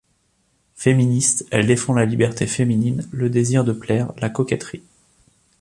Féministe, elle défend la liberté féminine, le désir de plaire, la coquetterie.